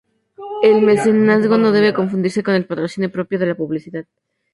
El mecenazgo no debe confundirse con el patrocinio propio de la publicidad.